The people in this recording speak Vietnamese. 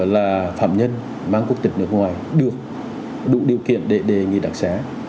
là phạm nhân mang quốc tịch nước ngoài được đủ điều kiện để đề nghị đặc xá